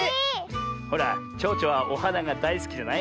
ほらちょうちょはおはながだいすきじゃない？